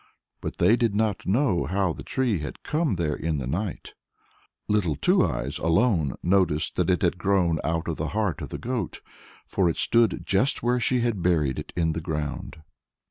But they did not know how the tree had come there in the night. Little Two Eyes alone noticed that it had grown out of the heart of the goat, for it stood just where she had buried it in the ground.